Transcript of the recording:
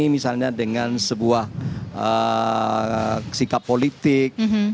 misalnya dengan sebuah sikap politik